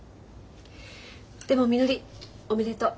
でもみのりおめでとう。